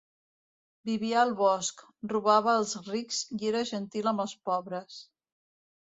Vivia al bosc, robava als rics i era gentil amb els pobres.